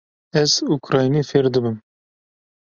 Ez ukraynî fêr dibim.